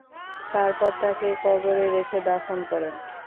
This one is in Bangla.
তারপর তাঁকে কবরে রেখে দাফন করেন।